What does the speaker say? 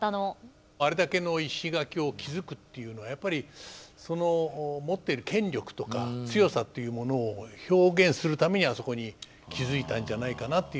あれだけの石垣を築くというのはやっぱりその持っている権力とか強さというものを表現するためにあそこに築いたんじゃないかなという。